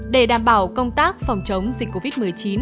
để đảm bảo công tác phòng chống dịch covid một mươi chín